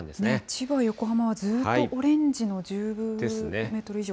千葉、横浜はずっとオレンジの１０メートル以上。